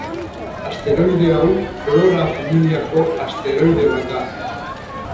Asteroide hau, Flora familiako asteroide bat da.